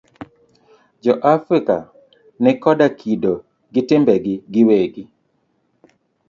Jo Afrika ni koda kido gi timbegi gi wegi.